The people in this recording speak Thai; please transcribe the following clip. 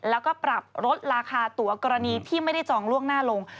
แล้วก็ปรับลดราคาตัวกรณีที่ไม่ได้จองล่วงหน้าลง